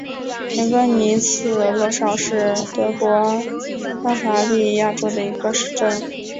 雷格尼茨洛绍是德国巴伐利亚州的一个市镇。